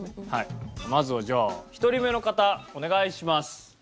まずはじゃあ１人目の方お願いします。